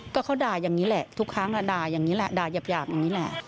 ก็เขาด่าอย่างนี้แหละทุกครั้งละด่าอย่างนี้แหละด่าหยาบอย่างนี้แหละ